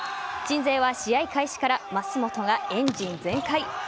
鎮西は試合開始から舛本がエンジン全開。